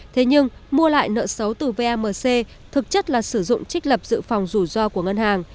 thế nhưng mua lại nợ xấu từ vamc thực chất là sử dụng trích lập dự phòng rủi ro của ngân hàng